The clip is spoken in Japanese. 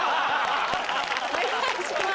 お願いします。